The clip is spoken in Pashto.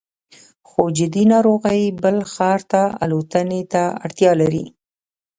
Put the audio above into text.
خو جدي ناروغۍ بل ښار ته الوتنې ته اړتیا لري